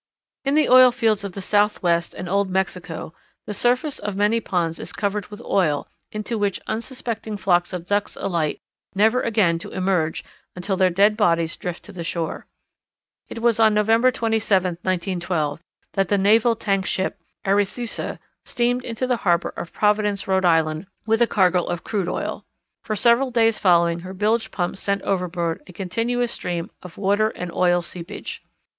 _ In the oil fields of the Southwest and old Mexico the surface of many ponds is covered with oil into which unsuspecting flocks of Ducks alight never again to emerge until their dead bodies drift to the shore. It was on November 27, 1912, that the naval tank ship Arethusa steamed into the harbour of Providence, Rhode Island, with a cargo of crude oil. For several days following her bilge pumps sent overboard a continuous stream of water and oil seepage.